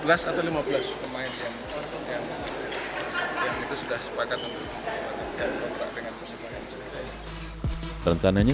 empat belas atau lima belas pemain yang sudah sepakat untuk berpengaruh dengan persebaya